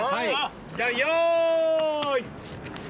じゃあよい。